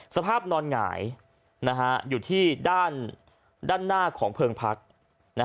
สภาพนอนหงายอยู่ที่ด้านหน้าของเพลิงพัก